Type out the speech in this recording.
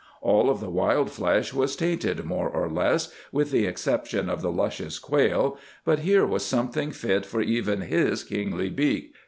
All of the wild flesh was tainted, more or less, with the exception of the luscious quail, but here was something fit for even his kingly beak.